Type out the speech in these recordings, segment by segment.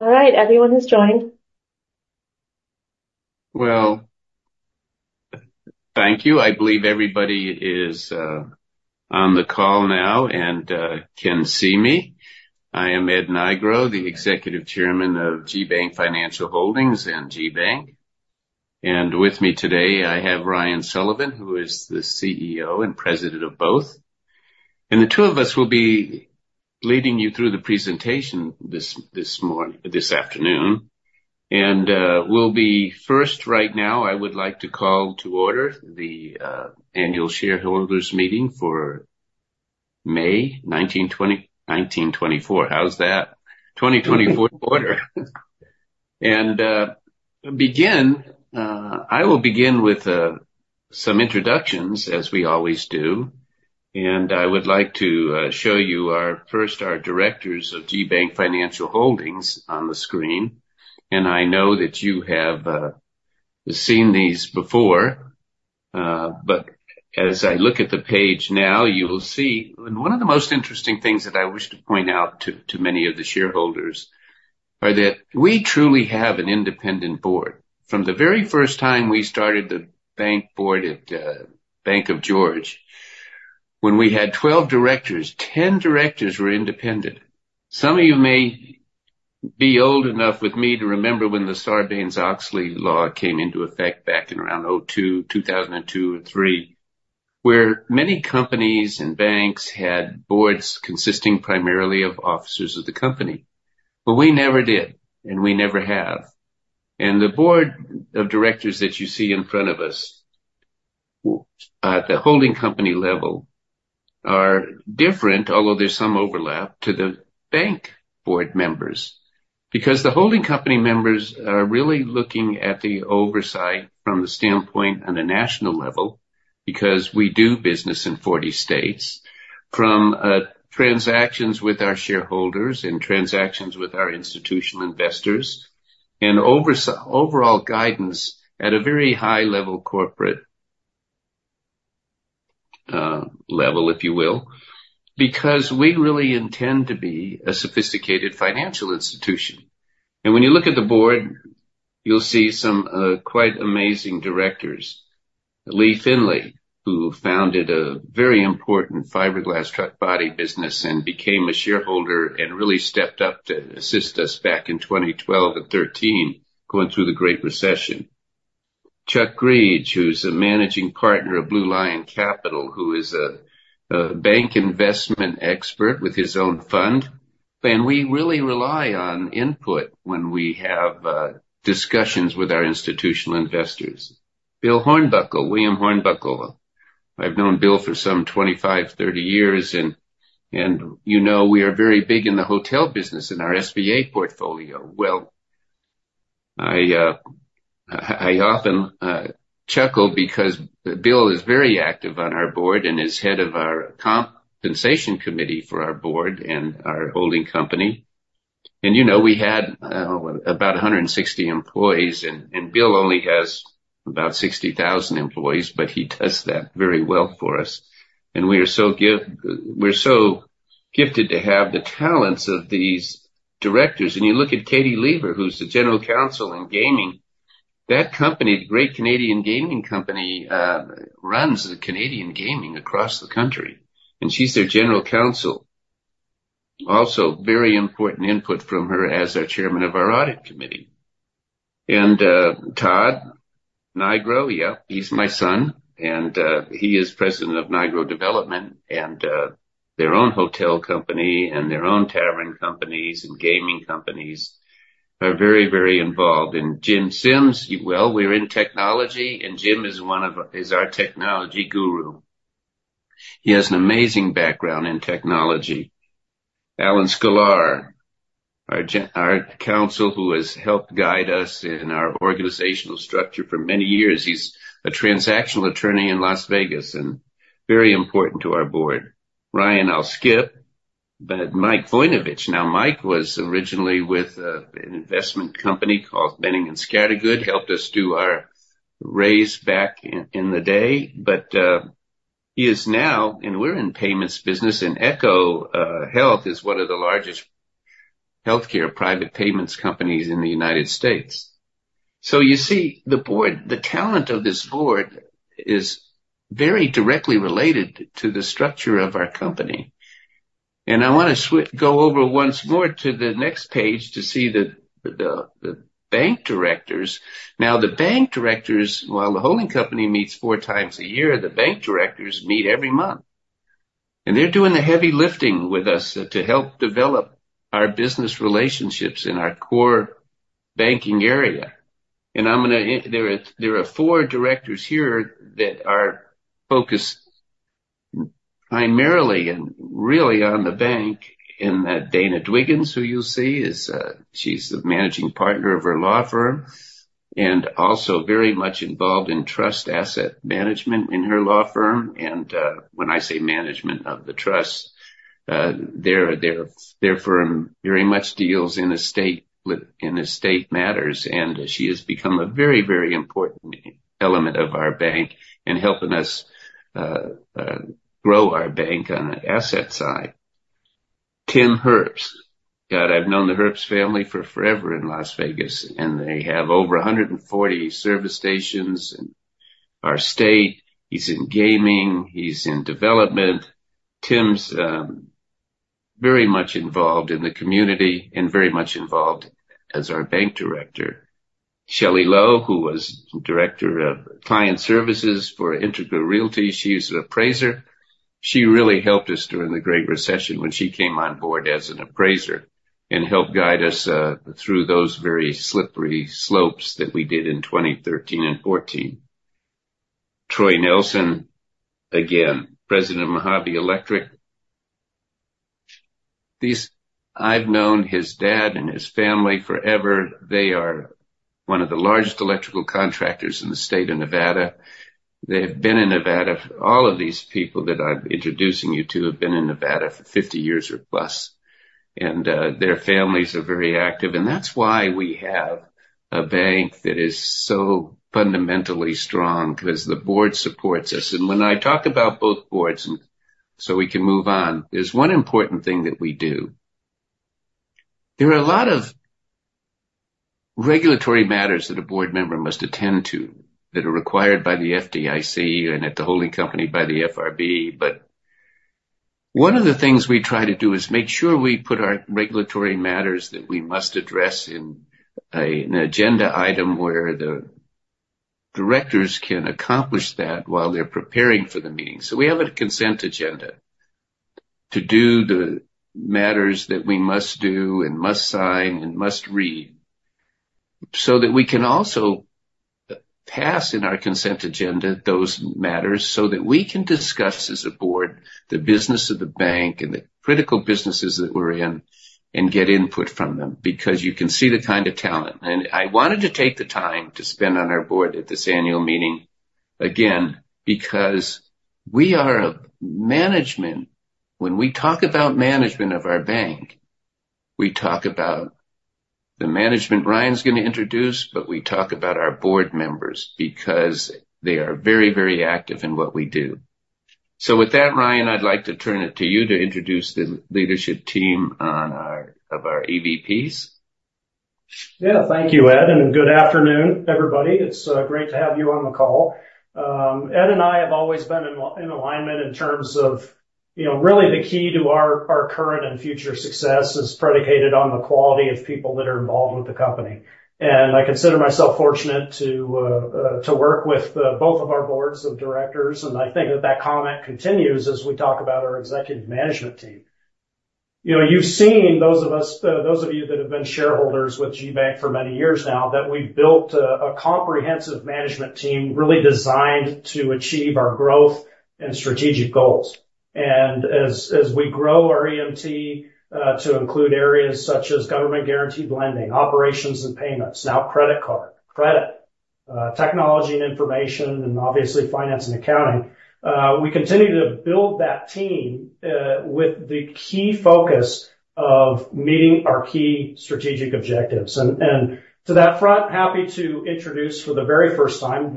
All right. Everyone has joined? Well, thank you. I believe everybody is on the call now and can see me. I am Ed Nigro, the Executive Chairman of GBank Financial Holdings and GBank. And with me today, I have Ryan Sullivan, who is the CEO and President of both. And the two of us will be leading you through the presentation this afternoon. And we'll be first right now, I would like to call to order the annual shareholders' meeting for May 19, 2024. How's that? 2024 to order. And I will begin with some introductions, as we always do. And I would like to show you first our directors of GBank Financial Holdings on the screen. And I know that you have seen these before. But as I look at the page now, you will see one of the most interesting things that I wish to point out to many of the shareholders are that we truly have an independent board. From the very first time we started the bank board at Bank of George, when we had 12 directors, 10 directors were independent. Some of you may be old enough with me to remember when the Sarbanes-Oxley law came into effect back in around 2002, 2002, and 2003, where many companies and banks had boards consisting primarily of officers of the company. But we never did, and we never have. The Board of Directors that you see in front of us at the holding company level are different, although there's some overlap, to the bank board members because the holding company members are really looking at the oversight from the standpoint on a national level because we do business in 40 states, from transactions with our shareholders and transactions with our institutional investors, and overall guidance at a very high-level corporate level, if you will, because we really intend to be a sophisticated financial institution. When you look at the board, you'll see some quite amazing directors. Lee Finley, who founded a very important fiberglass truck body business and became a shareholder and really stepped up to assist us back in 2012 and 2013 going through the Great Recession. Chuck Griege, who's a managing partner of Blue Lion Capital, who is a bank investment expert with his own fund. We really rely on input when we have discussions with our institutional investors. Bill Hornbuckle, William Hornbuckle. I've known Bill for some 25, 30 years. You know we are very big in the hotel business in our SBA portfolio. Well, I often chuckle because Bill is very active on our board and is head of our compensation committee for our Board and our holding company. We had about 160 employees. Bill only has about 60,000 employees, but he does that very well for us. We are so gifted to have the talents of these directors. You look at Katie Lever, who's the General Counsel in gaming. Great Canadian Gaming runs the Canadian gaming across the country. She's their General Counsel. Also, very important input from her as our chairman of our Audit Committee. Todd Nigro, yeah, he's my son. And he is President of Nigro Development. And their own hotel company and their own tavern companies and gaming companies are very, very involved. Jim Sims, well, we're in technology. And Jim is our technology guru. He has an amazing background in technology. Alan Sklar, our Counsel who has helped guide us in our organizational structure for many years. He's a transactional attorney in Las Vegas and very important to our board. Ryan, I'll skip. But Mike Voinovich, now Mike was originally with an investment company called Boenning & Scattergood, helped us do our raise back in the day. But he is now and we're in payments business. And ECHO Health is one of the largest healthcare private payments companies in the United States. So you see, the talent of this board is very directly related to the structure of our company. I want to go over once more to the next page to see the bank directors. Now, the bank directors, while the holding company meets four times a year, the bank directors meet every month. They're doing the heavy lifting with us to help develop our business relationships in our core banking area. There are four directors here that are focused primarily and really on the bank. Dana Dwiggins, who you'll see, she's the Managing Partner of her law firm and also very much involved in trust asset management in her law firm. When I say management of the trust, their firm very much deals in estate matters. She has become a very, very important element of our bank and helping us grow our bank on the asset side. Tim Herbst. God, I've known the Herbst family for forever in Las Vegas. They have over 140 service stations in our state. He's in gaming. He's in development. Tim's very much involved in the community and very much involved as our bank director. Shelli Lowe, who was Director of Client Services for Integra Realty, she's an appraiser. She really helped us during the Great Recession when she came on board as an appraiser and helped guide us through those very slippery slopes that we did in 2013 and 2014. Troy Nelson, again, president of Mojave Electric. I've known his dad and his family forever. They are one of the largest electrical contractors in the state of Nevada. They have been in Nevada. All of these people that I'm introducing you to have been in Nevada for 50 years or plus. Their families are very active. That's why we have a bank that is so fundamentally strong because the board supports us. When I talk about both boards and so we can move on. There's one important thing that we do. There are a lot of regulatory matters that a board member must attend to that are required by the FDIC and at the holding company by the FRB. But one of the things we try to do is make sure we put our regulatory matters that we must address in an agenda item where the directors can accomplish that while they're preparing for the meeting. So we have a consent agenda to do the matters that we must do and must sign and must read so that we can also pass in our consent agenda those matters so that we can discuss as a board the business of the bank and the critical businesses that we're in and get input from them because you can see the kind of talent. I wanted to take the time to spend on our board at this annual meeting, again, because we are a management. When we talk about management of our bank, we talk about the management Ryan's going to introduce, but we talk about our board members because they are very, very active in what we do. So with that, Ryan, I'd like to turn it to you to introduce the leadership team of our EVPs. Yeah. Thank you, Ed. Good afternoon, everybody. It's great to have you on the call. Ed and I have always been in alignment in terms of really the key to our current and future success is predicated on the quality of people that are involved with the company. I consider myself fortunate to work with both of our Boards of Directors. I think that that comment continues as we talk about our executive management team. You've seen those of you that have been shareholders with GBank for many years now that we've built a comprehensive management team really designed to achieve our growth and strategic goals. As we grow our EMT to include areas such as government-guaranteed lending, operations and payments, now credit card, credit, technology and information, and obviously finance and accounting, we continue to build that team with the key focus of meeting our key strategic objectives. To that front, happy to introduce for the very first time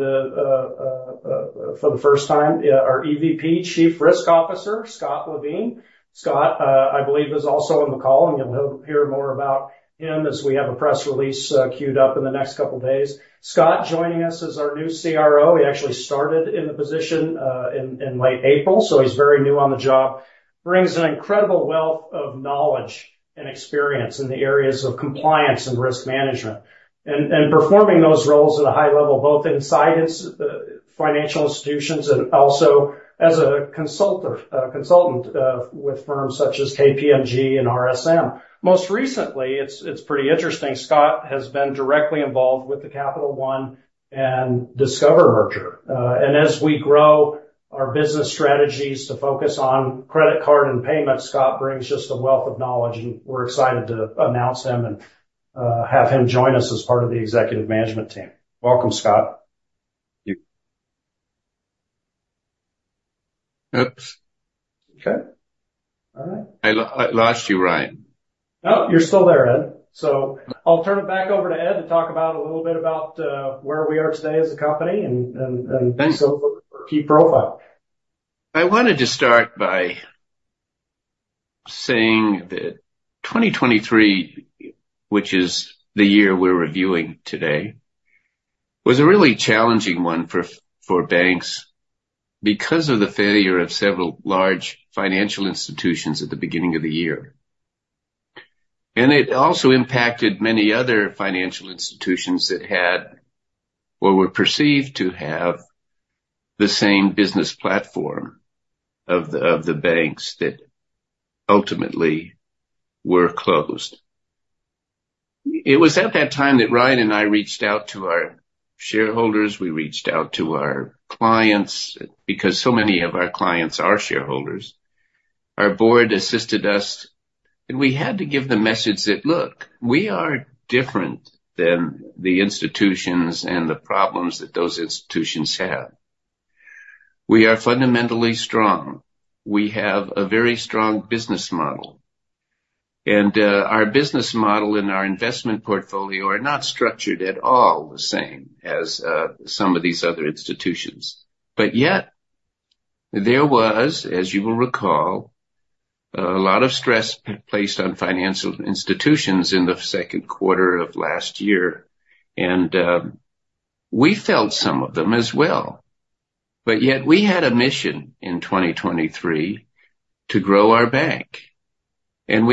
our EVP, Chief Risk Officer, Scot Levine. Scot, I believe, is also on the call. You'll hear more about him as we have a press release queued up in the next couple of days. Scot joining us as our new CRO. He actually started in the position in late April. So he's very new on the job. Brings an incredible wealth of knowledge and experience in the areas of compliance and risk management and performing those roles at a high level, both inside financial institutions and also as a consultant with firms such as KPMG and RSM. Most recently, it's pretty interesting. Scot has been directly involved with the Capital One and Discover merger. And as we grow our business strategies to focus on credit card and payments, Scot brings just a wealth of knowledge. And we're excited to announce him and have him join us as part of the executive management team. Welcome, Scot. Oops. Okay. I lost you, Ryan. No, you're still there, Ed. I'll turn it back over to Ed to talk a little bit about where we are today as a company and some of our key profile. I wanted to start by saying that 2023, which is the year we're reviewing today, was a really challenging one for banks because of the failure of several large financial institutions at the beginning of the year. It also impacted many other financial institutions that had or were perceived to have the same business platform of the banks that ultimately were closed. It was at that time that Ryan and I reached out to our shareholders. We reached out to our clients because so many of our clients are shareholders. Our board assisted us. We had to give the message that, "Look, we are different than the institutions and the problems that those institutions have. We are fundamentally strong. We have a very strong business model." Our business model and our investment portfolio are not structured at all the same as some of these other institutions. But yet, there was, as you will recall, a lot of stress placed on financial institutions in the second quarter of last year. And we felt some of them as well. But yet, we had a mission in 2023 to grow our bank. And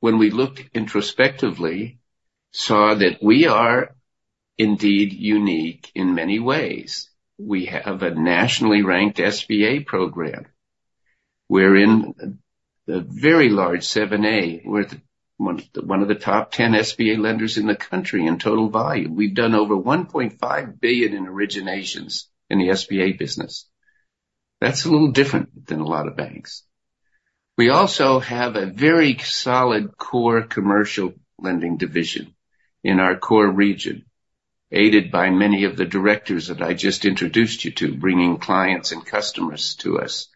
when we looked introspectively, saw that we are indeed unique in many ways. We have a nationally ranked SBA program. We're in the very large 7(a). We're one of the top 10 SBA lenders in the country in total volume. We've done over $1.5 billion in originations in the SBA business. That's a little different than a lot of banks. We also have a very solid core commercial lending division in our core region, aided by many of the directors that I just introduced you to, bringing clients and customers to us,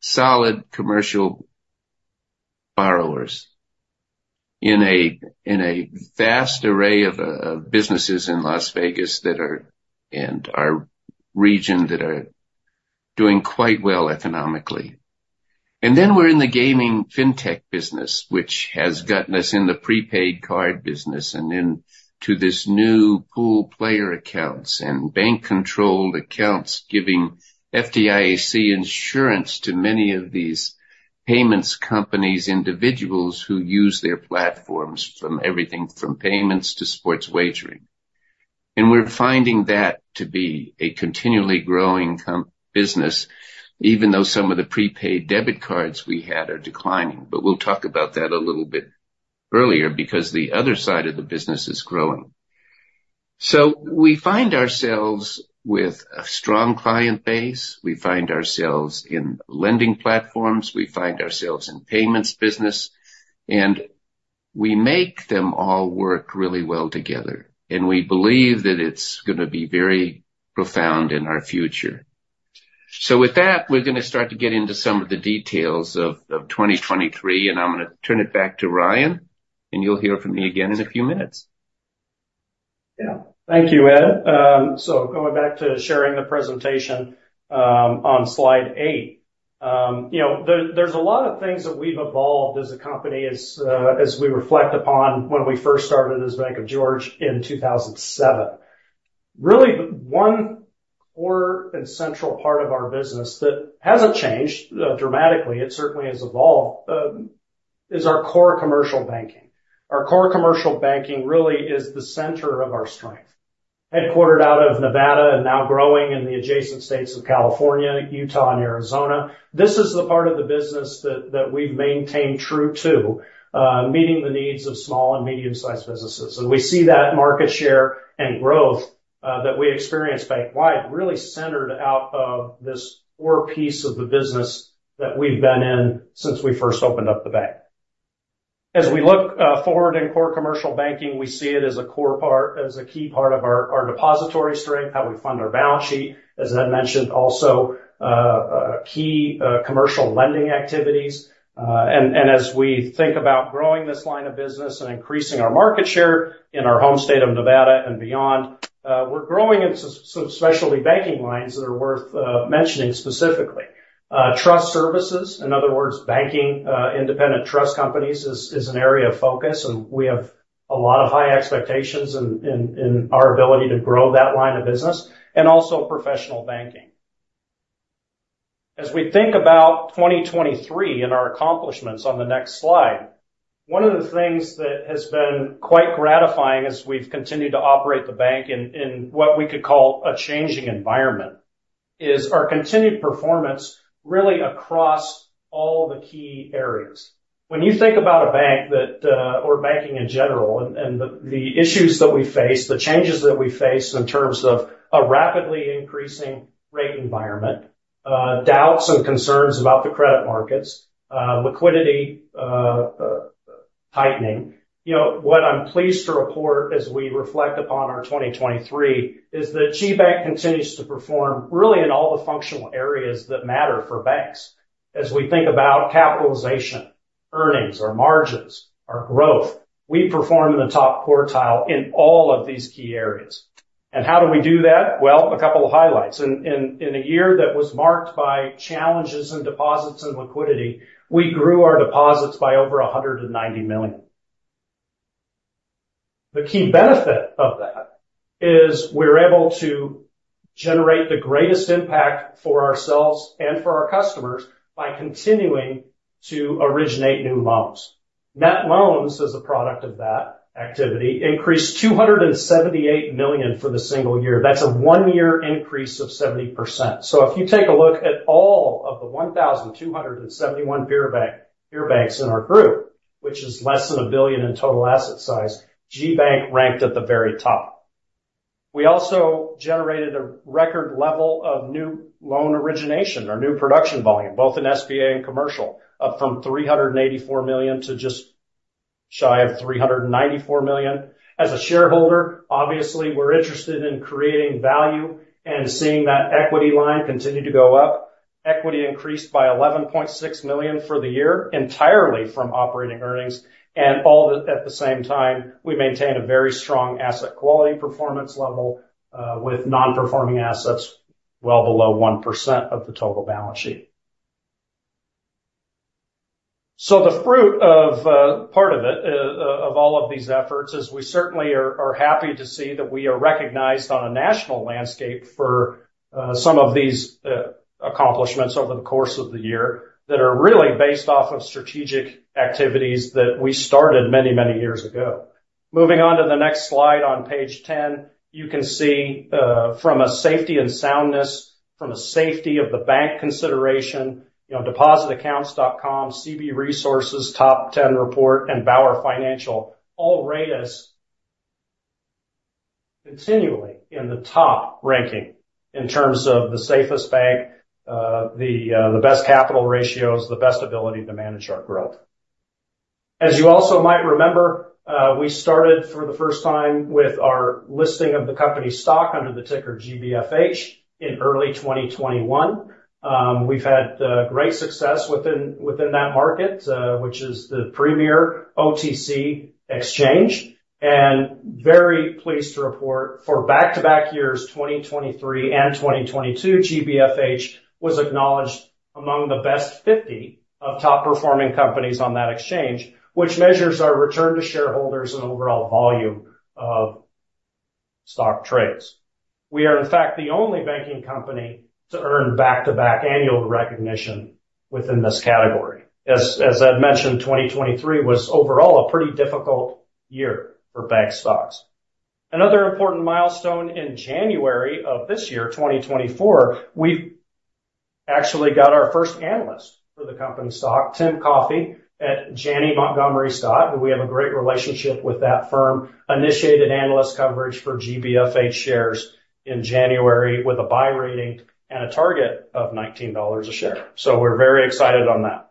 solid commercial borrowers in a vast array of businesses in Las Vegas and our region that are doing quite well economically. We're in the gaming FinTech business, which has gotten us in the prepaid card business and into this new Pool Player Accounts and bank-controlled accounts giving FDIC insurance to many of these payments companies, individuals who use their platforms from everything from payments to sports wagering. We're finding that to be a continually growing business, even though some of the prepaid debit cards we had are declining. We'll talk about that a little bit earlier because the other side of the business is growing. We find ourselves with a strong client base. We find ourselves in lending platforms. We find ourselves in payments business. We make them all work really well together. We believe that it's going to be very profound in our future. With that, we're going to start to get into some of the details of 2023. I'm going to turn it back to Ryan. You'll hear from me again in a few minutes. Yeah. Thank you, Ed. So going back to sharing the presentation on slide eight, there's a lot of things that we've evolved as a company as we reflect upon when we first started as Bank of George in 2007. Really, one core and central part of our business that hasn't changed dramatically - it certainly has evolved - is our core commercial banking. Our core commercial banking really is the center of our strength, headquartered out of Nevada and now growing in the adjacent states of California, Utah, and Arizona. This is the part of the business that we've maintained true to, meeting the needs of small and medium-sized businesses. And we see that market share and growth that we experience bankwide really centered out of this core piece of the business that we've been in since we first opened up the bank. As we look forward in core commercial banking, we see it as a key part of our depository strength, how we fund our balance sheet, as Ed mentioned, also key commercial lending activities. As we think about growing this line of business and increasing our market share in our home state of Nevada and beyond, we're growing into some specialty banking lines that are worth mentioning specifically. Trust services, in other words, banking independent trust companies, is an area of focus. We have a lot of high expectations in our ability to grow that line of business and also professional banking. As we think about 2023 and our accomplishments on the next slide, one of the things that has been quite gratifying as we've continued to operate the bank in what we could call a changing environment is our continued performance really across all the key areas. When you think about a bank or banking in general and the issues that we face, the changes that we face in terms of a rapidly increasing rate environment, doubts and concerns about the credit markets, liquidity tightening, what I'm pleased to report as we reflect upon our 2023 is that GBank continues to perform really in all the functional areas that matter for banks. As we think about capitalization, earnings, our margins, our growth, we perform in the top quartile in all of these key areas. And how do we do that? Well, a couple of highlights. In a year that was marked by challenges in deposits and liquidity, we grew our deposits by over $190 million. The key benefit of that is we're able to generate the greatest impact for ourselves and for our customers by continuing to originate new loans. Net loans as a product of that activity increased $278 million for the single year. That's a one year increase of 70%. So if you take a look at all of the 1,271 peer banks in our group, which is less than $1 billion in total asset size, GBank ranked at the very top. We also generated a record level of new loan origination or new production volume, both in SBA and commercial, up from $384 million to just shy of $394 million. As a shareholder, obviously, we're interested in creating value and seeing that equity line continue to go up. Equity increased by $11.6 million for the year entirely from operating earnings. And at the same time, we maintain a very strong asset quality performance level with non-performing assets well below 1% of the total balance sheet. So the fruit of part of it of all of these efforts is we certainly are happy to see that we are recognized on a national landscape for some of these accomplishments over the course of the year that are really based off of strategic activities that we started many, many years ago. Moving on to the next slide on page 10, you can see from a safety and soundness, from a safety of the bank consideration, DepositAccounts.com, CB Resources Top 10 report, and BauerFinancial all rate us continually in the top ranking in terms of the safest bank, the best capital ratios, the best ability to manage our growth. As you also might remember, we started for the first time with our listing of the company stock under the ticker GBFH in early 2021. We've had great success within that market, which is the Premier OTC exchange. Very pleased to report, for back-to-back years 2023 and 2022, GBFH was acknowledged among the Best 50 of top-performing companies on that exchange, which measures our return to shareholders and overall volume of stock trades. We are, in fact, the only banking company to earn back-to-back annual recognition within this category. As Ed mentioned, 2023 was overall a pretty difficult year for bank stocks. Another important milestone in January of this year, 2024, we actually got our first analyst for the company stock, Tim Coffey, at Janney Montgomery Scott, who we have a great relationship with that firm, initiated analyst coverage for GBFH shares in January with a buy rating and a target of $19 a share. We're very excited on that.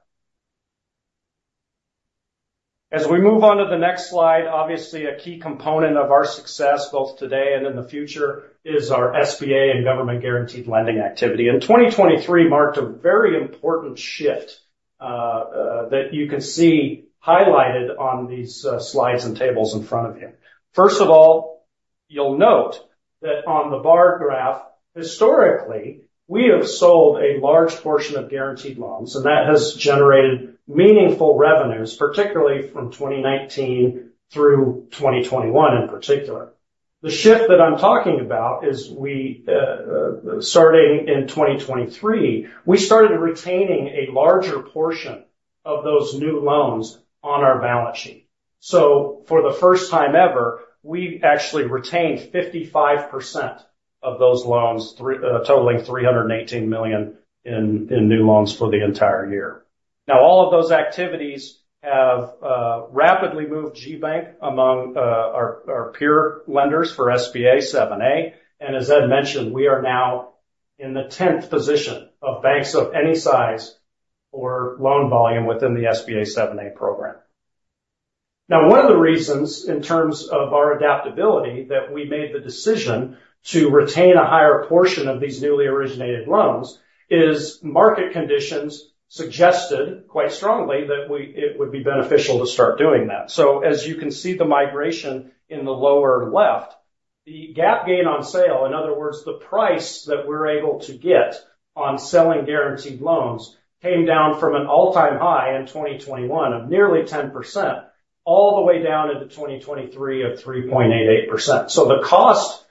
As we move on to the next slide, obviously, a key component of our success both today and in the future is our SBA and government-guaranteed lending activity. 2023 marked a very important shift that you can see highlighted on these slides and tables in front of you. First of all, you'll note that on the bar graph, historically, we have sold a large portion of guaranteed loans. That has generated meaningful revenues, particularly from 2019 through 2021 in particular. The shift that I'm talking about is starting in 2023, we started retaining a larger portion of those new loans on our balance sheet. For the first time ever, we actually retained 55% of those loans, totaling $318 million in new loans for the entire year. Now, all of those activities have rapidly moved GBank among our peer lenders for SBA 7(a). As Ed mentioned, we are now in the 10th position of banks of any size or loan volume within the SBA 7(a) program. Now, one of the reasons in terms of our adaptability that we made the decision to retain a higher portion of these newly originated loans is market conditions suggested quite strongly that it would be beneficial to start doing that. As you can see the migration in the lower left, the GAAP gain on sale, in other words, the price that we're able to get on selling guaranteed loans came down from an all-time high in 2021 of nearly 10% all the way down into 2023 of 3.88%. The cost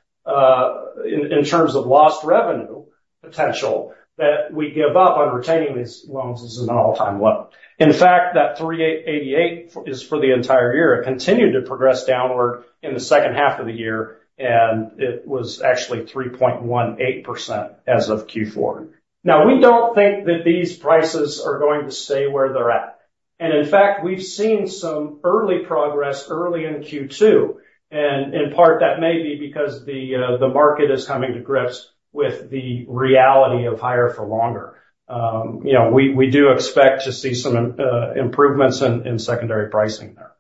in terms of lost revenue potential that we give up on retaining these loans is an all-time low. In fact, that 3.88 is for the entire year. It continued to progress downward in the second half of the year. It was actually 3.18% as of Q4. Now, we don't think that these prices are going to stay where they're at. In fact, we've seen some early progress early in Q2. In part, that may be because the market is coming to grips with the reality of higher for longer. We do expect to see some improvements in secondary pricing there.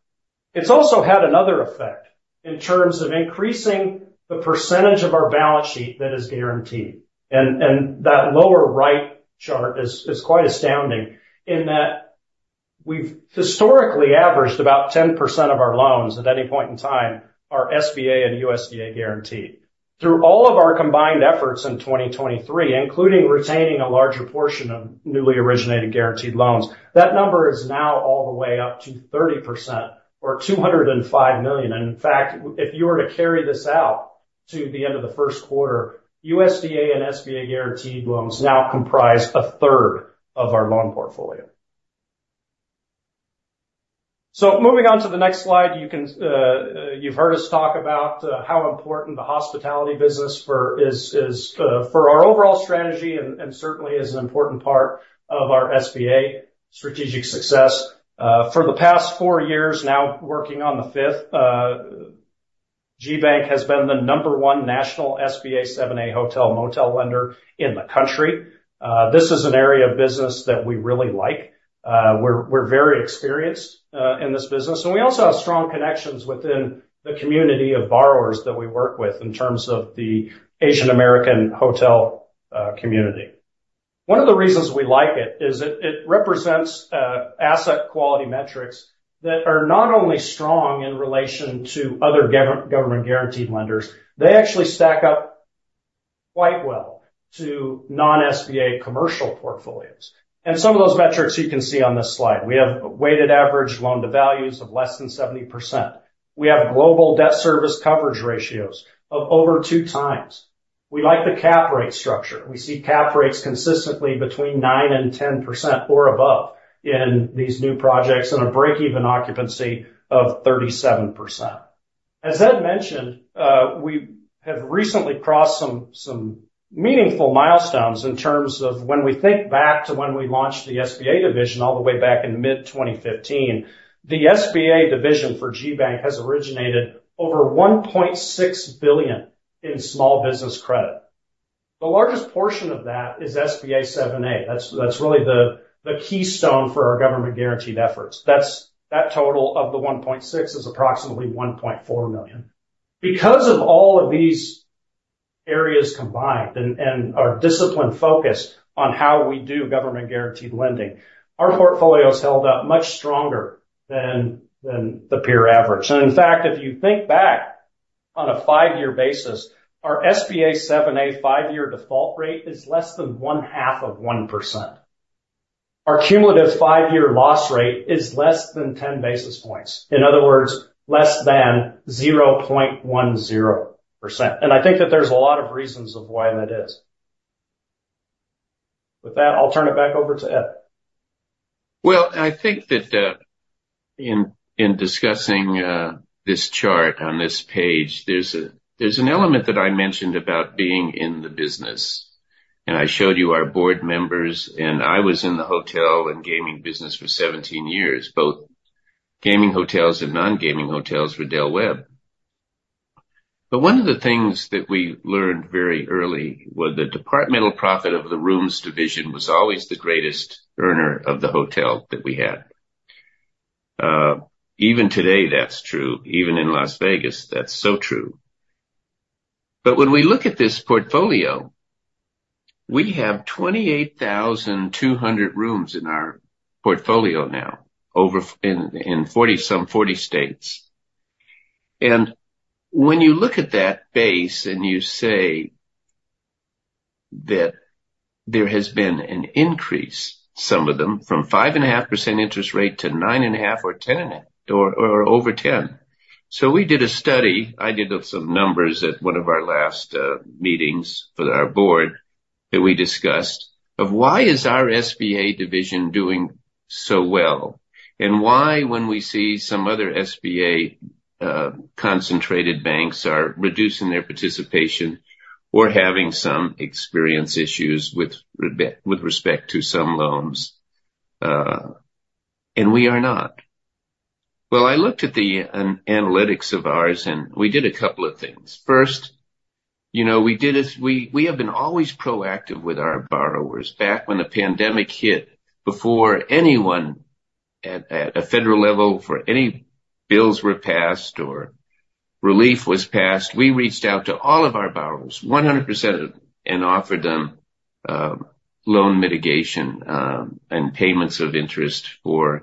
It's also had another effect in terms of increasing the percentage of our balance sheet that is guaranteed. That lower right chart is quite astounding in that we've historically averaged about 10% of our loans at any point in time are SBA and USDA guaranteed. Through all of our combined efforts in 2023, including retaining a larger portion of newly originated guaranteed loans, that number is now all the way up to 30% or $205 million. In fact, if you were to carry this out to the end of the first quarter, USDA and SBA guaranteed loans now comprise a third of our loan portfolio. Moving on to the next slide, you've heard us talk about how important the hospitality business is for our overall strategy and certainly is an important part of our SBA strategic success. For the past four years, now working on the fifth, GBank has been the number one national SBA 7(a) hotel motel lender in the country. This is an area of business that we really like. We're very experienced in this business. And we also have strong connections within the community of borrowers that we work with in terms of the Asian-American hotel community. One of the reasons we like it is it represents asset quality metrics that are not only strong in relation to other government-guaranteed lenders, they actually stack up quite well to non-SBA commercial portfolios. And some of those metrics you can see on this slide. We have weighted average loan-to-values of less than 70%. We have global debt service coverage ratios of over 2x. We like the cap rate structure. We see cap rates consistently between 9% and 10% or above in these new projects and a break-even occupancy of 37%. As Ed mentioned, we have recently crossed some meaningful milestones in terms of when we think back to when we launched the SBA division all the way back in mid-2015, the SBA division for GBank has originated over $1.6 billion in small business credit. The largest portion of that is SBA 7(a). That's really the keystone for our government-guaranteed efforts. That total of the $1.6 billion is approximately $1.4 million. Because of all of these areas combined and our discipline focused on how we do government-guaranteed lending, our portfolio is held up much stronger than the peer average. And in fact, if you think back on a five year basis, our SBA 7(a) five year default rate is less than 1/2 of 1%. Our cumulative five year loss rate is less than 10 basis points. In other words, less than 0.10%. And I think that there's a lot of reasons of why that is. With that, I'll turn it back over to Ed. Well, I think that in discussing this chart on this page, there's an element that I mentioned about being in the business. And I showed you our Board members. And I was in the hotel and gaming business for 17 years, both gaming hotels and non-gaming hotels for Del Webb. But one of the things that we learned very early was the departmental profit of the rooms division was always the greatest earner of the hotel that we had. Even today, that's true. Even in Las Vegas, that's so true. But when we look at this portfolio, we have 28,200 rooms in our portfolio now in some 40 states. And when you look at that base and you say that there has been an increase, some of them, from 5.5% interest rate to 9.5% or 10% or over 10%. So we did a study. I did some numbers at one of our last meetings for our Board that we discussed of why is our SBA division doing so well and why, when we see some other SBA-concentrated banks are reducing their participation or having some experience issues with respect to some loans, and we are not. Well, I looked at the analytics of ours, and we did a couple of things. First, we have been always proactive with our borrowers. Back when the pandemic hit, before anyone at a federal level, for any bills were passed or relief was passed, we reached out to all of our borrowers, 100% of them, and offered them loan mitigation and payments of interest for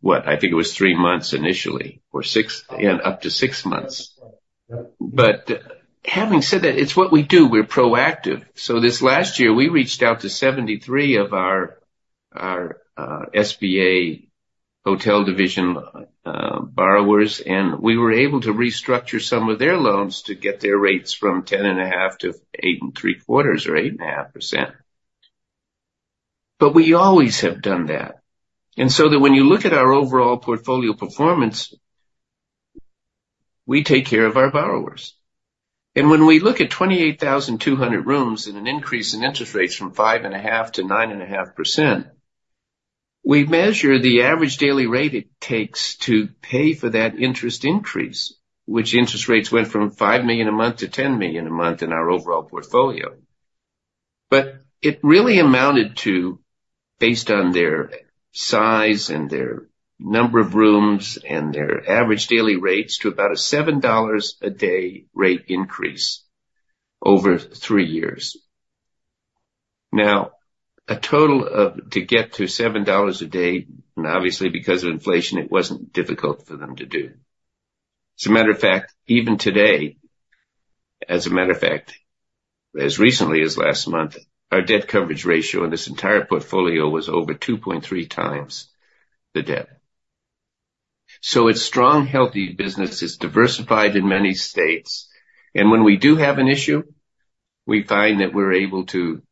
what? I think it was three months initially or up to six months. But having said that, it's what we do. We're proactive. So this last year, we reached out to 73 of our SBA hotel division borrowers. And we were able to restructure some of their loans to get their rates from 10.5% to 8.75% or 8.5%. But we always have done that. And so that when you look at our overall portfolio performance, we take care of our borrowers. And when we look at 28,200 rooms and an increase in interest rates from 5.5% to 9.5%, we measure the average daily rate it takes to pay for that interest increase, which interest rates went from $5 million a month to $10 million a month in our overall portfolio. But it really amounted to, based on their size and their number of rooms and their average daily rates, to about a $7 a day rate increase over three years. Now, to get to $7 a day, and obviously, because of inflation, it wasn't difficult for them to do. As a matter of fact, even today, as a matter of fact, as recently as last month, our debt coverage ratio in this entire portfolio was over 2.3x the debt. So it's strong, healthy business. It's diversified in many states. And when we do have an issue, we find that we're able to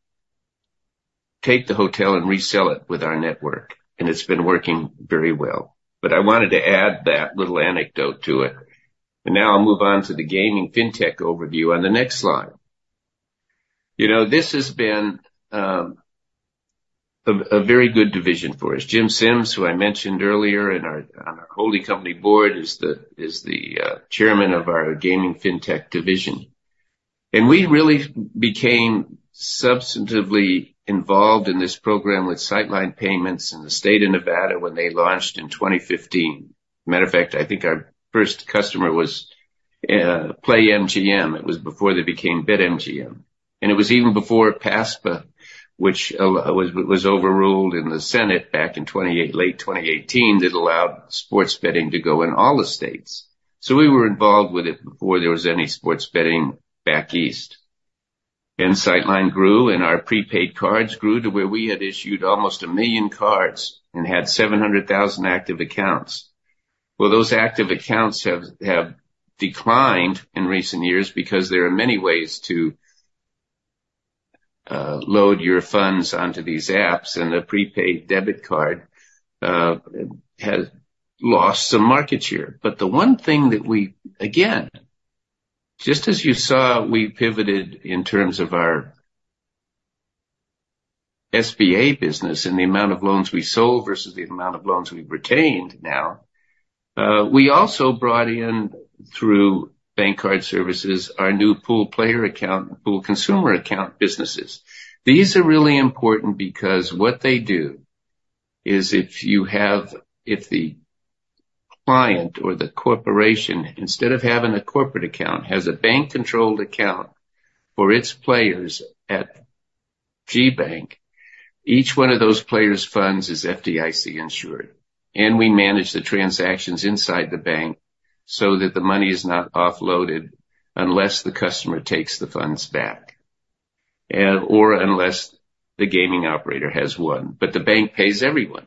take the hotel and resell it with our network. And it's been working very well. But I wanted to add that little anecdote to it. And now I'll move on to the Gaming FinTech overview on the next slide. This has been a very good division for us. Jim Sims, who I mentioned earlier on our holding company board, is the Chairman of our Gaming FinTech division. We really became substantively involved in this program with Sightline Payments in the state of Nevada when they launched in 2015. Matter of fact, I think our first customer was PlayMGM. It was before they became BetMGM. And it was even before PASPA, which was overruled in the Senate back in late 2018 that allowed sports betting to go in all the states. So we were involved with it before there was any sports betting back east. And Sightline grew. And our prepaid cards grew to where we had issued almost 1 million cards and had 700,000 active accounts. Well, those active accounts have declined in recent years because there are many ways to load your funds onto these apps. And the prepaid debit card has lost some market share. But the one thing that we, again, just as you saw, we pivoted in terms of our SBA business and the amount of loans we sold versus the amount of loans we've retained now. We also brought in through BankCard Services our new Pool Player Account and pool consumer account businesses. These are really important because what they do is if the client or the corporation, instead of having a corporate account, has a bank-controlled account for its players at GBank, each one of those players' funds is FDIC insured. And we manage the transactions inside the bank so that the money is not offloaded unless the customer takes the funds back or unless the gaming operator has won. But the bank pays everyone.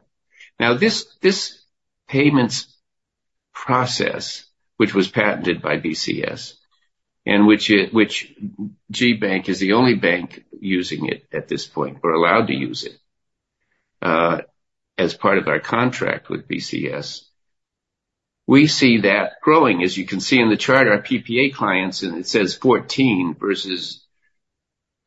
Now, this payments process, which was patented by BCS and which GBank is the only bank using it at this point or allowed to use it as part of our contract with BCS, we see that growing. As you can see in the chart, our PPA clients, and it says 14 versus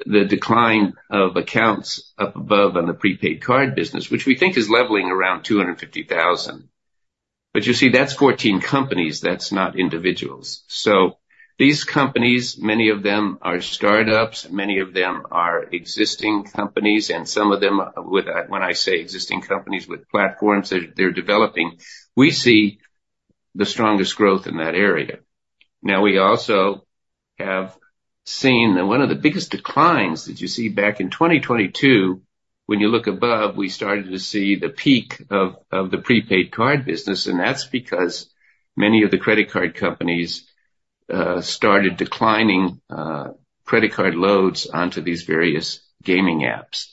the decline of accounts up above on the prepaid card business, which we think is leveling around 250,000. But you see, that's 14 companies. That's not individuals. So these companies, many of them are startups. Many of them are existing companies. And some of them, when I say existing companies with platforms they're developing, we see the strongest growth in that area. Now, we also have seen that one of the biggest declines that you see back in 2022, when you look above, we started to see the peak of the prepaid card business. And that's because many of the credit card companies started declining credit card loads onto these various gaming apps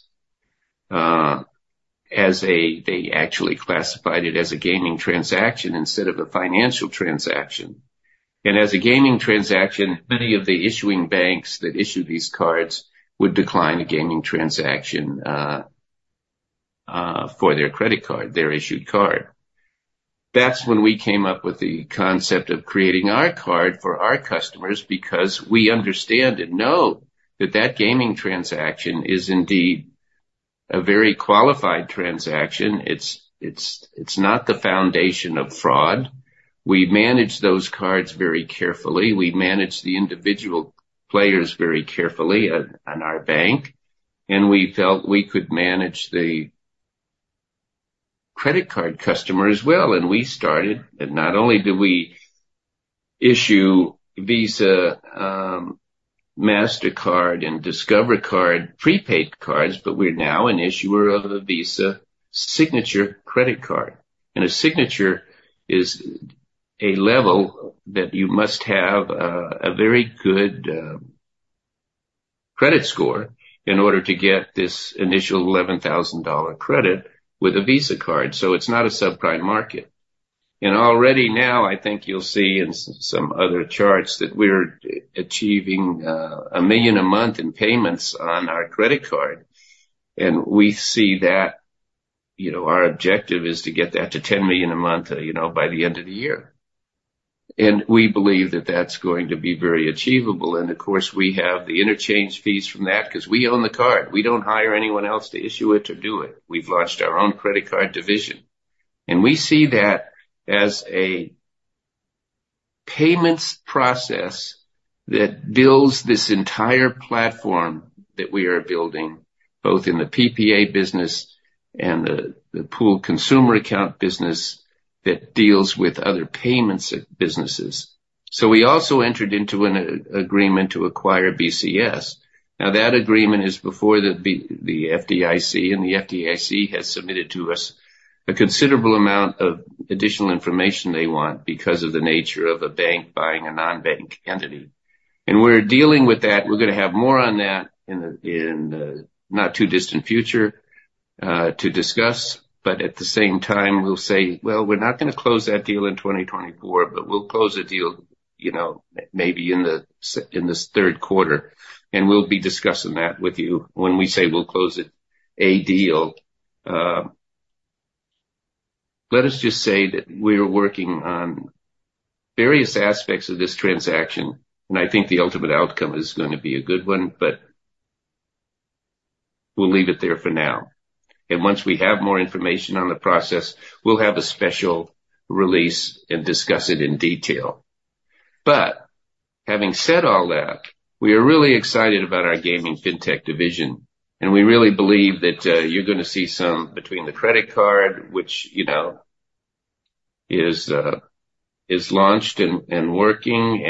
as they actually classified it as a gaming transaction instead of a financial transaction. And as a gaming transaction, many of the issuing banks that issue these cards would decline a gaming transaction for their credit card, their issued card. That's when we came up with the concept of creating our card for our customers because we understand and know that that gaming transaction is indeed a very qualified transaction. It's not the foundation of fraud. We manage those cards very carefully. We manage the individual players very carefully in our bank. And we felt we could manage the credit card customer as well. And we started. And not only do we issue Visa, Mastercard, and Discover Card prepaid cards, but we're now an issuer of a Visa Signature credit card. A signature is a level that you must have a very good credit score in order to get this initial $11,000 credit with a Visa card. So it's not a subprime market. Already now, I think you'll see in some other charts that we're achieving $1 million a month in payments on our credit card. We see that our objective is to get that to $10 million a month by the end of the year. We believe that that's going to be very achievable. Of course, we have the interchange fees from that because we own the card. We don't hire anyone else to issue it or do it. We've launched our own credit card division. We see that as a payments process that builds this entire platform that we are building, both in the PPA business and the pool consumer account business that deals with other payments businesses. So we also entered into an agreement to acquire BCS. Now, that agreement is before the FDIC. And the FDIC has submitted to us a considerable amount of additional information they want because of the nature of a bank buying a non-bank entity. And we're dealing with that. We're going to have more on that in the not-too-distant future to discuss. But at the same time, we'll say, "Well, we're not going to close that deal in 2024, but we'll close a deal maybe in this third quarter." And we'll be discussing that with you when we say we'll close a deal. Let us just say that we're working on various aspects of this transaction. I think the ultimate outcome is going to be a good one. But we'll leave it there for now. And once we have more information on the process, we'll have a special release and discuss it in detail. But having said all that, we are really excited about our Gaming FinTech division. We really believe that you're going to see some between the credit card, which is launched and working.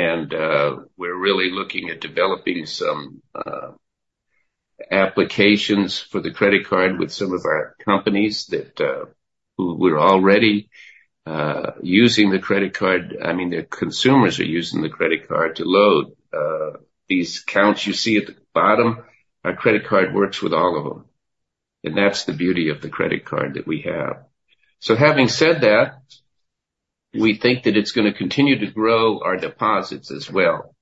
We're really looking at developing some applications for the credit card with some of our companies who are already using the credit card. I mean, the consumers are using the credit card to load these accounts you see at the bottom. Our credit card works with all of them. And that's the beauty of the credit card that we have. So having said that, we think that it's going to continue to grow our deposits as well.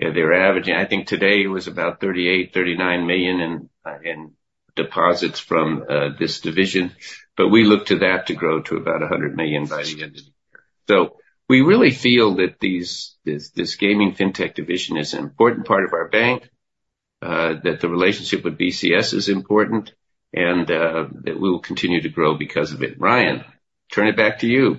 I think today, it was about $38 million, $39 million in deposits from this division. But we look to that to grow to about $100 million by the end of the year. So we really feel that this Gaming FinTech division is an important part of our bank, that the relationship with BCS is important, and that we will continue to grow because of it. Ryan, turn it back to you.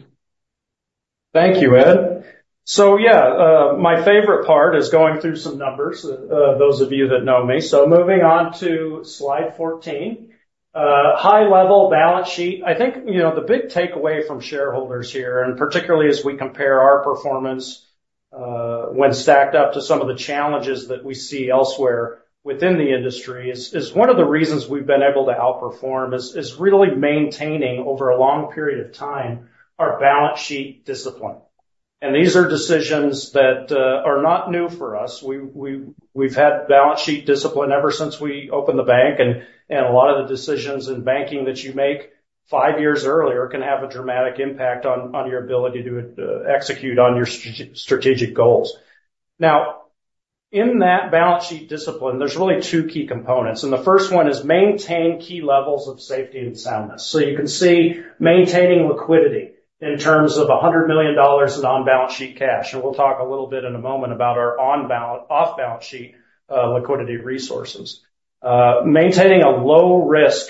Thank you, Ed. So yeah, my favorite part is going through some numbers, those of you that know me. So moving on to slide 14, high-level balance sheet. I think the big takeaway from shareholders here, and particularly as we compare our performance when stacked up to some of the challenges that we see elsewhere within the industry, is one of the reasons we've been able to outperform is really maintaining over a long period of time our balance sheet discipline. These are decisions that are not new for us. We've had balance sheet discipline ever since we opened the bank. A lot of the decisions in banking that you make five years earlier can have a dramatic impact on your ability to execute on your strategic goals. Now, in that balance sheet discipline, there's really two key components. The first one is maintain key levels of safety and soundness. You can see maintaining liquidity in terms of $100 million in on-balance sheet cash. We'll talk a little bit in a moment about our off-balance sheet liquidity resources, maintaining a low-risk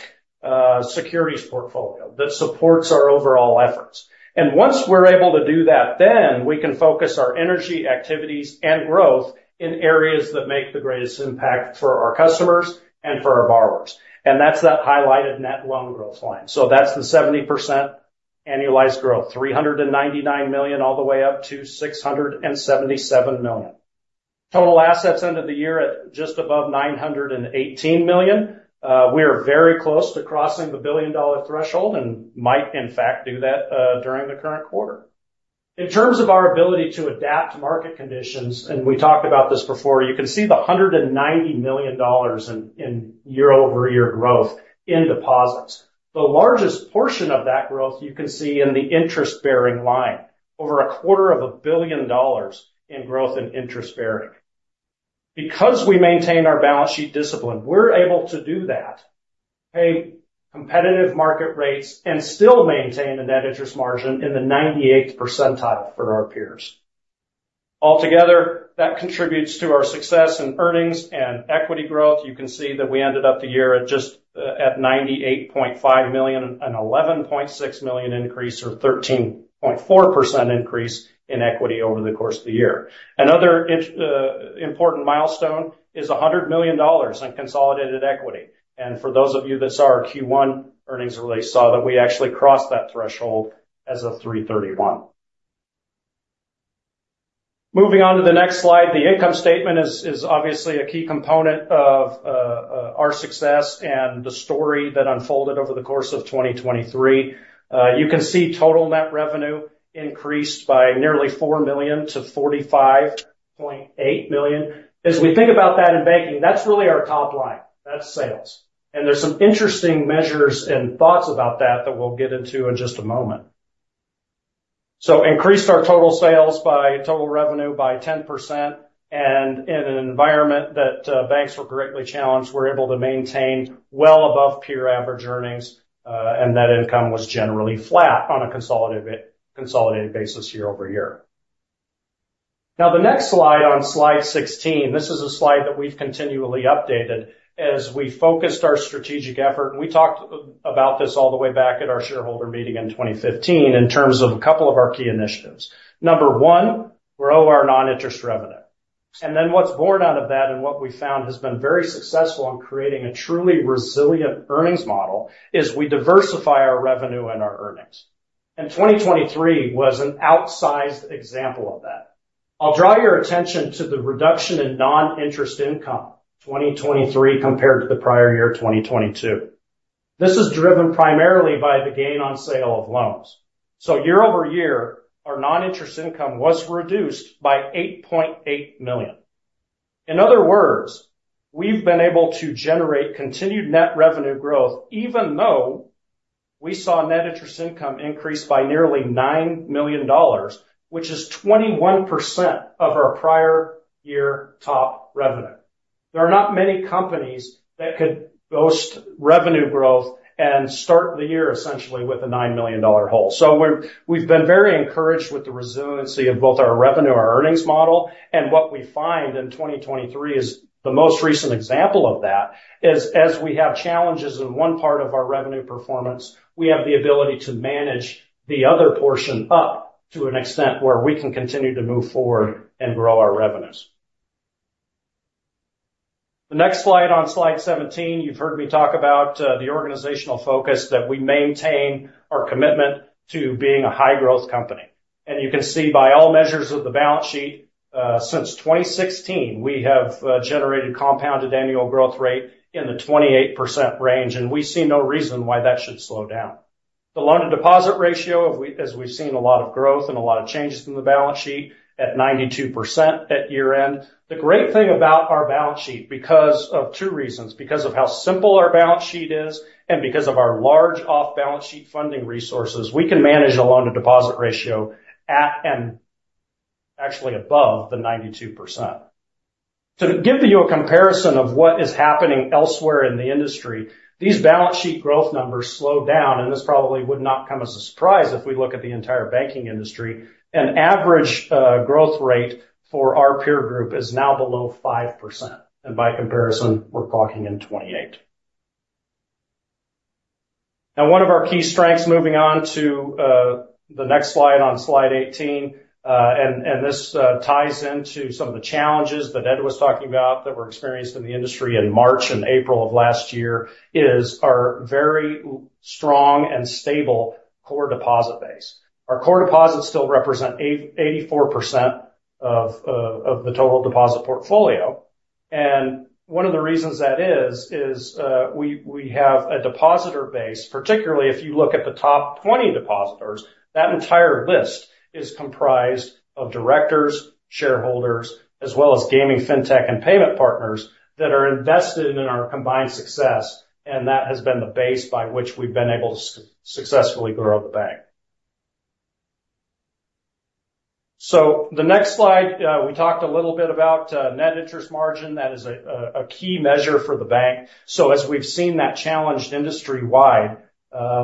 securities portfolio that supports our overall efforts. Once we're able to do that, then we can focus our energy activities and growth in areas that make the greatest impact for our customers and for our borrowers. That's that highlighted net loan growth line. That's the 70% annualized growth, $399 million all the way up to $677 million, total assets end of the year at just above $918 million. We are very close to crossing the billion-dollar threshold and might, in fact, do that during the current quarter. In terms of our ability to adapt to market conditions, and we talked about this before, you can see the $190 million in year-over-year growth in deposits. The largest portion of that growth, you can see in the interest-bearing line, $250 million in growth in interest-bearing. Because we maintain our balance sheet discipline, we're able to do that, pay competitive market rates, and still maintain a net interest margin in the 98th percentile for our peers. Altogether, that contributes to our success in earnings and equity growth. You can see that we ended up the year at just at $98.5 million and a $11.6 million increase or 13.4% increase in equity over the course of the year. Another important milestone is $100 million in consolidated equity. For those of you that saw our Q1 earnings release, saw that we actually crossed that threshold as a 331. Moving on to the next slide, the income statement is obviously a key component of our success and the story that unfolded over the course of 2023. You can see total net revenue increased by nearly $4 million to $45.8 million. As we think about that in banking, that's really our top line. That's sales. And there's some interesting measures and thoughts about that that we'll get into in just a moment. So increased our total sales by total revenue by 10%. And in an environment that banks were greatly challenged, we're able to maintain well above-peer-average earnings. And that income was generally flat on a consolidated basis year-over-year. Now, the next slide on slide 16, this is a slide that we've continually updated as we focused our strategic effort. We talked about this all the way back at our shareholder meeting in 2015 in terms of a couple of our key initiatives. Number one, grow our non-interest revenue. Then what's born out of that and what we found has been very successful in creating a truly resilient earnings model is we diversify our revenue and our earnings. And 2023 was an outsized example of that. I'll draw your attention to the reduction in non-interest income 2023 compared to the prior year, 2022. This is driven primarily by the gain on sale of loans. So year-over-year, our non-interest income was reduced by $8.8 million. In other words, we've been able to generate continued net revenue growth even though we saw net interest income increase by nearly $9 million, which is 21% of our prior year top revenue. There are not many companies that could boast revenue growth and start the year, essentially, with a $9 million hole. So we've been very encouraged with the resiliency of both our revenue, our earnings model, and what we find in 2023 is the most recent example of that is as we have challenges in one part of our revenue performance, we have the ability to manage the other portion up to an extent where we can continue to move forward and grow our revenues. The next slide on slide 17, you've heard me talk about the organizational focus that we maintain, our commitment to being a high-growth company. You can see by all measures of the balance sheet, since 2016, we have generated compounded annual growth rate in the 28% range. And we see no reason why that should slow down. The loan-to-deposit ratio, as we've seen a lot of growth and a lot of changes in the balance sheet, at 92% at year-end. The great thing about our balance sheet because of two reasons, because of how simple our balance sheet is, and because of our large off-balance sheet funding resources, we can manage a loan-to-deposit ratio at and actually above the 92%. To give you a comparison of what is happening elsewhere in the industry, these balance sheet growth numbers slow down. This probably would not come as a surprise if we look at the entire banking industry. An average growth rate for our peer group is now below 5%. By comparison, we're talking in 28%. Now, one of our key strengths moving on to the next slide on slide 18, and this ties into some of the challenges that Ed was talking about that were experienced in the industry in March and April of last year, is our very strong and stable core deposit base. Our core deposits still represent 84% of the total deposit portfolio. And one of the reasons that is is we have a depositor base, particularly if you look at the top 20 depositors, that entire list is comprised of directors, shareholders, as well as Gaming FinTech and payment partners that are invested in our combined success. And that has been the base by which we've been able to successfully grow the bank. So the next slide, we talked a little bit about net interest margin. That is a key measure for the bank. So as we've seen that challenged industry-wide,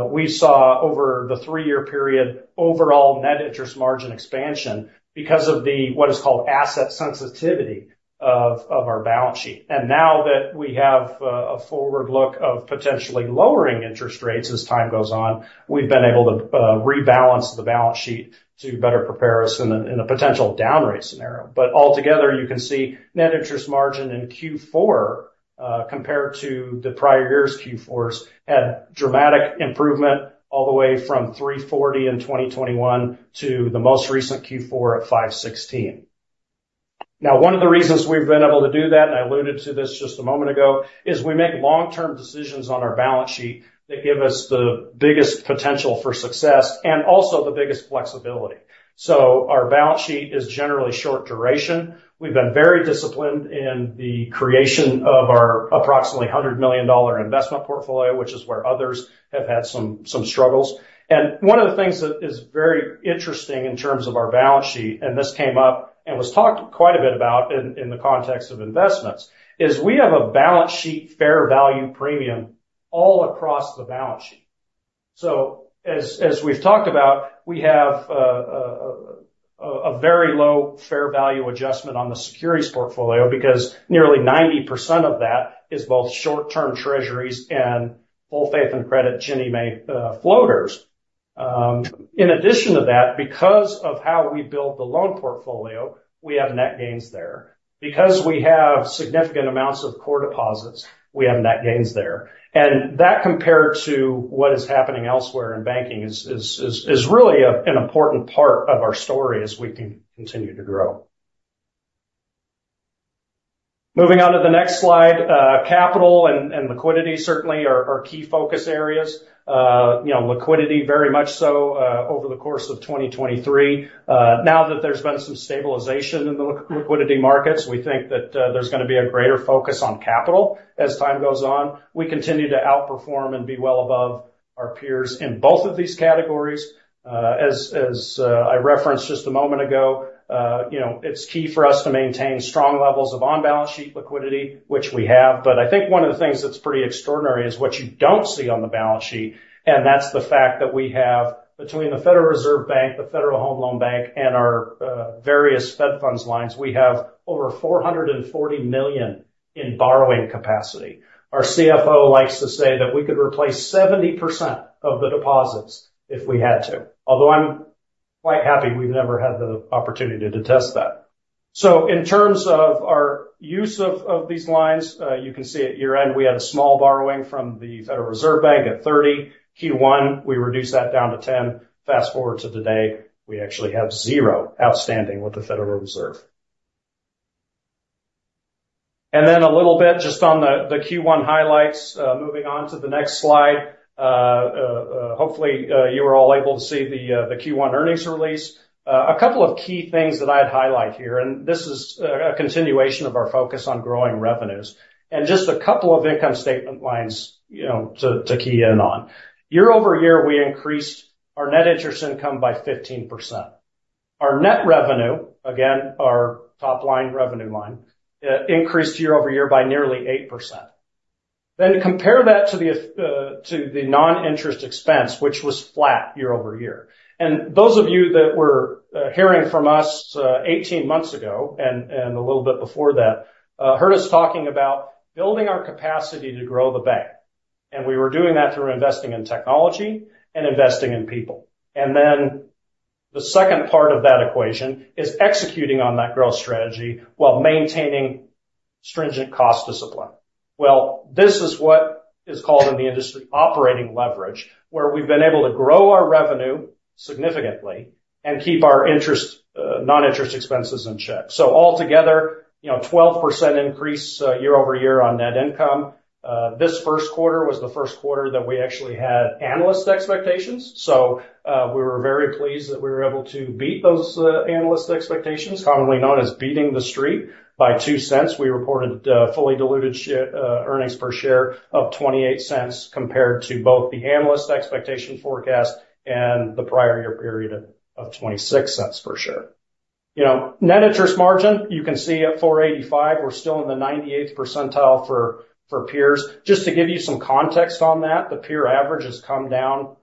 we saw over the three-year period overall net interest margin expansion because of what is called asset sensitivity of our balance sheet. And now that we have a forward look of potentially lowering interest rates as time goes on, we've been able to rebalance the balance sheet to better prepare us in a potential downrate scenario. But altogether, you can see net interest margin in Q4 compared to the prior year's Q4s had dramatic improvement all the way from 340 in 2021 to the most recent Q4 at 516. Now, one of the reasons we've been able to do that, and I alluded to this just a moment ago, is we make long-term decisions on our balance sheet that give us the biggest potential for success and also the biggest flexibility. So our balance sheet is generally short-duration. We've been very disciplined in the creation of our approximately $100 million investment portfolio, which is where others have had some struggles. One of the things that is very interesting in terms of our balance sheet—and this came up and was talked quite a bit about in the context of investments—is we have a balance sheet fair value premium all across the balance sheet. As we've talked about, we have a very low fair value adjustment on the securities portfolio because nearly 90% of that is both short-term treasuries and full faith and credit, Ginnie Mae, floaters. In addition to that, because of how we build the loan portfolio, we have net gains there. Because we have significant amounts of core deposits, we have net gains there. That compared to what is happening elsewhere in banking is really an important part of our story as we can continue to grow. Moving on to the next slide, capital and liquidity, certainly, are key focus areas. Liquidity, very much so over the course of 2023. Now that there's been some stabilization in the liquidity markets, we think that there's going to be a greater focus on capital as time goes on. We continue to outperform and be well above our peers in both of these categories. As I referenced just a moment ago, it's key for us to maintain strong levels of on-balance sheet liquidity, which we have. But I think one of the things that's pretty extraordinary is what you don't see on the balance sheet, and that's the fact that we have between the Federal Reserve Bank, the Federal Home Loan Bank, and our various Fed funds lines, we have over $440 million in borrowing capacity. Our CFO likes to say that we could replace 70% of the deposits if we had to, although I'm quite happy we've never had the opportunity to test that. So in terms of our use of these lines, you can see at year-end, we had a small borrowing from the Federal Reserve Bank at 30. Q1, we reduced that down to 10. Fast forward to today, we actually have zero outstanding with the Federal Reserve. And then a little bit just on the Q1 highlights, moving on to the next slide. Hopefully, you were all able to see the Q1 earnings release. A couple of key things that I'd highlight here, and this is a continuation of our focus on growing revenues, and just a couple of income statement lines to key in on. Year-over-year, we increased our net interest income by 15%. Our net revenue, again, our top line revenue line, increased year-over-year by nearly 8%. Then compare that to the non-interest expense, which was flat year-over-year. And those of you that were hearing from us 18 months ago and a little bit before that heard us talking about building our capacity to grow the bank. And we were doing that through investing in technology and investing in people. And then the second part of that equation is executing on that growth strategy while maintaining stringent cost discipline. Well, this is what is called in the industry operating leverage, where we've been able to grow our revenue significantly and keep our non-interest expenses in check. So altogether, 12% increase year-over-year on net income. This first quarter was the first quarter that we actually had analyst expectations. So we were very pleased that we were able to beat those analyst expectations, commonly known as beating the street, by $0.02. We reported fully diluted earnings per share of $0.28 compared to both the analyst expectation forecast and the prior year period of $0.26 per share. Net interest margin, you can see at 485. We're still in the 98th percentile for peers. Just to give you some context on that, the peer average has come down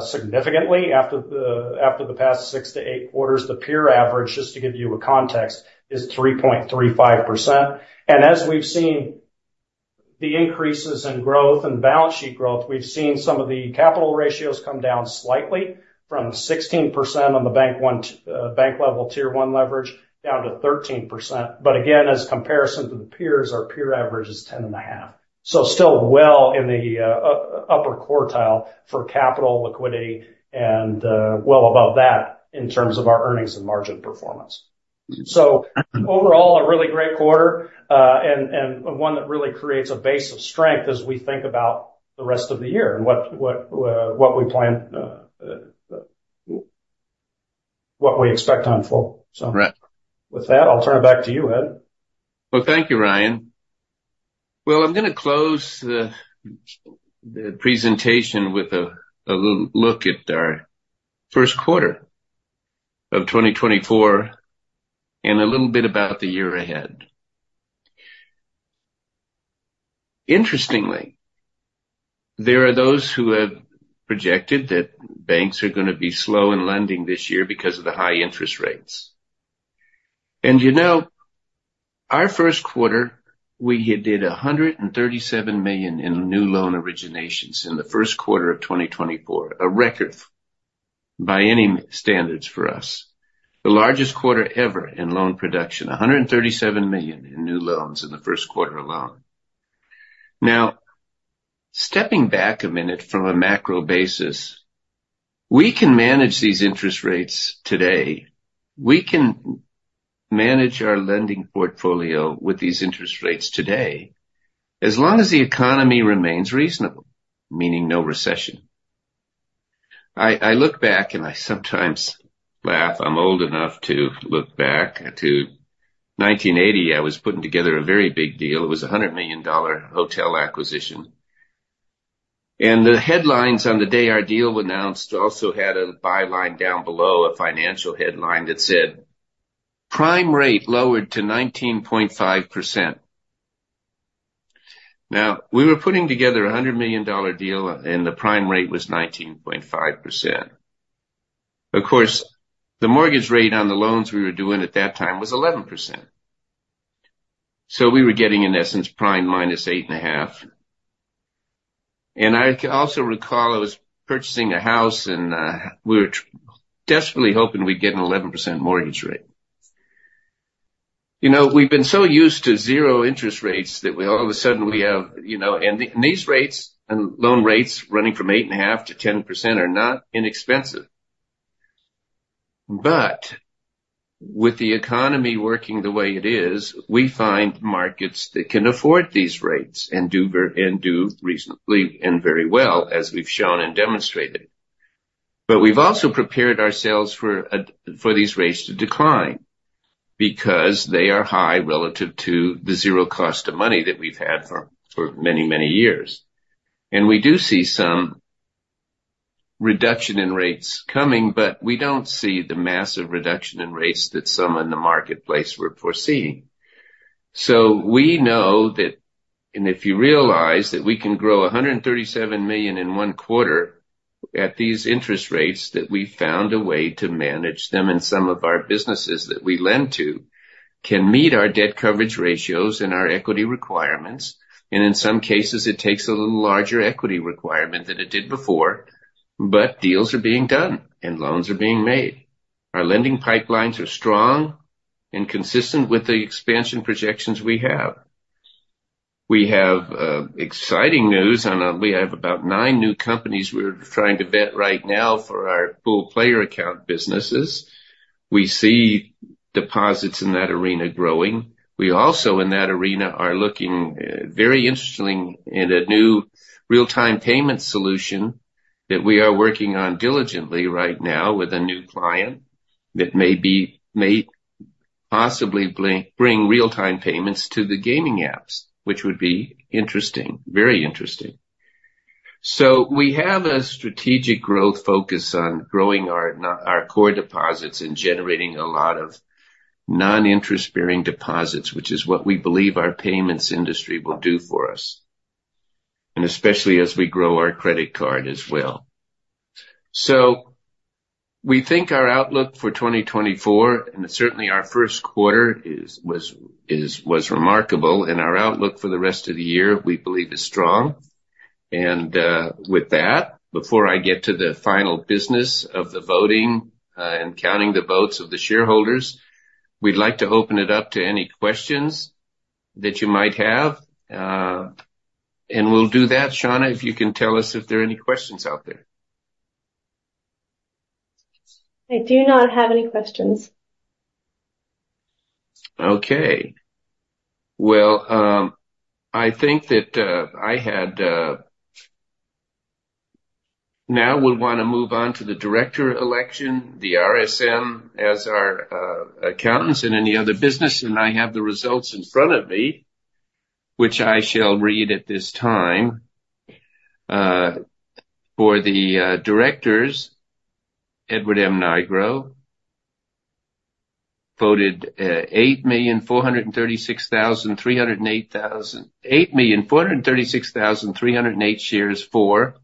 significantly after the past six to eight quarters. The peer average, just to give you a context, is 3.35%. As we've seen the increases in growth and balance sheet growth, we've seen some of the capital ratios come down slightly from 16% on the bank-level Tier 1 leverage down to 13%. But again, as comparison to the peers, our peer average is 10.5. Still well in the upper quartile for capital, liquidity, and well above that in terms of our earnings and margin performance. Overall, a really great quarter and one that really creates a base of strength as we think about the rest of the year and what we plan what we expect on full. With that, I'll turn it back to you, Ed. Well, thank you, Ryan. Well, I'm going to close the presentation with a little look at our first quarter of 2024 and a little bit about the year ahead. Interestingly, there are those who have projected that banks are going to be slow in lending this year because of the high interest rates. Our first quarter, we did $137 million in new loan originations in the first quarter of 2024, a record by any standards for us, the largest quarter ever in loan production, $137 million in new loans in the first quarter alone. Now, stepping back a minute from a macro basis, we can manage these interest rates today. We can manage our lending portfolio with these interest rates today as long as the economy remains reasonable, meaning no recession. I look back, and I sometimes laugh. I'm old enough to look back to 1980. I was putting together a very big deal. It was a $100 million hotel acquisition. The headlines on the day our deal was announced also had a byline down below, a financial headline that said, "Prime rate lowered to 19.5%." Now, we were putting together a $100 million deal, and the prime rate was 19.5%. Of course, the mortgage rate on the loans we were doing at that time was 11%. We were getting, in essence, prime -8.5. I also recall I was purchasing a house, and we were desperately hoping we'd get an 11% mortgage rate. We've been so used to zero interest rates that all of a sudden, we have and these rates and loan rates running from 8.5%-10% are not inexpensive. With the economy working the way it is, we find markets that can afford these rates and do reasonably and very well, as we've shown and demonstrated. But we've also prepared ourselves for these rates to decline because they are high relative to the zero cost of money that we've had for many, many years. And we do see some reduction in rates coming, but we don't see the massive reduction in rates that some in the marketplace were foreseeing. So we know that, and if you realize that we can grow $137 million in one quarter at these interest rates that we found a way to manage them in some of our businesses that we lend to can meet our debt coverage ratios and our equity requirements. And in some cases, it takes a little larger equity requirement than it did before, but deals are being done, and loans are being made. Our lending pipelines are strong and consistent with the expansion projections we have. We have exciting news. We have about nine new companies we're trying to bet right now for our Pool Player Account businesses. We see deposits in that arena growing. We also, in that arena, are looking very interestingly in a new real-time payment solution that we are working on diligently right now with a new client that may possibly bring real-time payments to the gaming apps, which would be interesting, very interesting. So we have a strategic growth focus on growing our core deposits and generating a lot of non-interest-bearing deposits, which is what we believe our payments industry will do for us, and especially as we grow our credit card as well. So we think our outlook for 2024, and certainly our first quarter, was remarkable. And our outlook for the rest of the year, we believe, is strong. With that, before I get to the final business of the voting and counting the votes of the shareholders, we'd like to open it up to any questions that you might have. And we'll do that. Shauna, if you can tell us if there are any questions out there. I do not have any questions. Okay. Well, I think that I had now would want to move on to the director election, the RSM, as our accountants in any other business. And I have the results in front of me, which I shall read at this time. For the directors, Edward M. Nigro voted 8,436,308 shares for,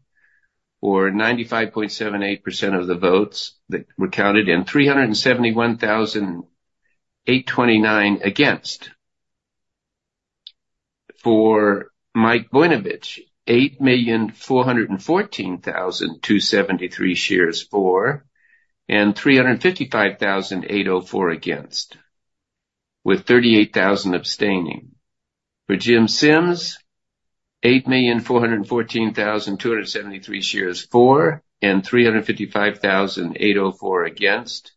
or 95.78% of the votes that were counted, and 371,829 against. For Mike Voinovich, 8,414,273 shares for and 355,804 against, with 38,000 abstaining. For Jim Sims, 8,414,273 shares for and 355,804 against.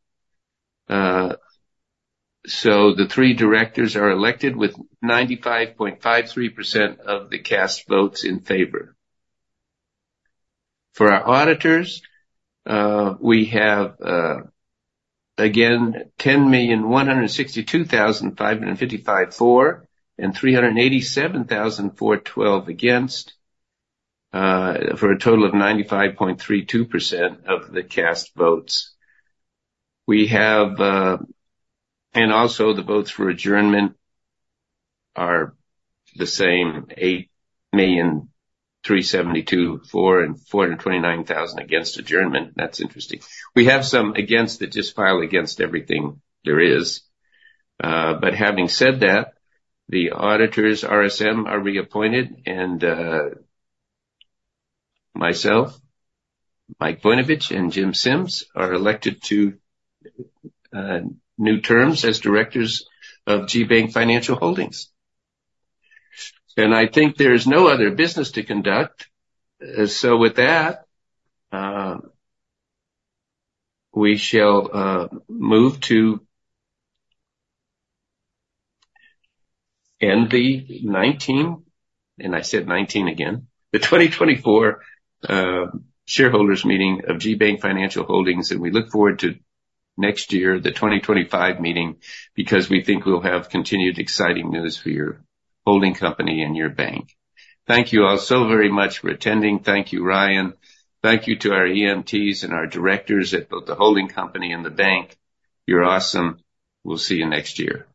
So the three directors are elected with 95.53% of the cast votes in favor. For our auditors, we have, again, 10,162,555 for and 387,412 against, for a total of 95.32% of the cast votes. And also, the votes for adjournment are the same, 8,000,372 for and 429,000 against adjournment. That's interesting. We have some against that just file against everything there is. But having said that, the auditors, RSM, are reappointed, and myself, Mike Voinovich, and Jim Sims are elected to new terms as directors of GBank Financial Holdings. And I think there is no other business to conduct. So with that, we shall move to end the 2019 and I said 2019 again, the 2024 shareholders' meeting of GBank Financial Holdings. And we look forward to next year, the 2025 meeting, because we think we'll have continued exciting news for your holding company and your bank. Thank you all so very much for attending. Thank you, Ryan. Thank you to our EMTs and our directors at both the holding company and the bank. You're awesome. We'll see you next year.